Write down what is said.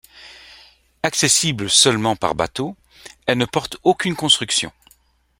Accessible seulement par bateau, elle ne porte aucune construction.